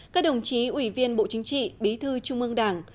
các đồng chí ủy viên bộ chính trị bí thư trung ương đảng